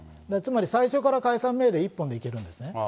つまり最初から解散命令一本でいけるんですね。